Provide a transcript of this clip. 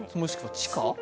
地下？